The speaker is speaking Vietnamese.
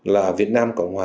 là việt nam cộng hòa